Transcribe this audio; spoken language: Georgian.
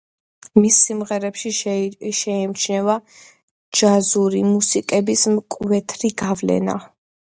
მის სიმღერებში შეიმჩნევა ჯაზური მუსიკის მკვეთრი გავლენა.